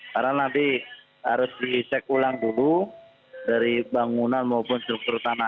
karena nanti harus di check ulang dulu dari bangunan maupun struktur tanah